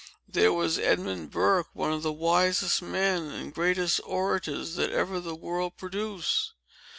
There was Edmund Burke, one of the wisest men and greatest orators that ever the world produced.